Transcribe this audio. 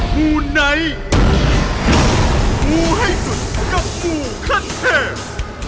มูไนท์มูให้สุดกับงูขั้นเทพ